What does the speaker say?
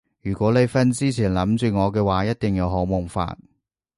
如果你瞓之前諗住我嘅話一定有好夢發